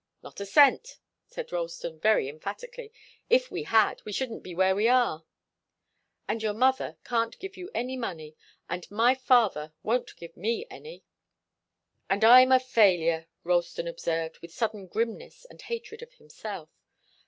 "Not a cent," said Ralston, very emphatically. "If we had, we shouldn't be where we are." "And your mother can't give you any money, and my father won't give me any." "And I'm a failure," Ralston observed, with sudden grimness and hatred of himself.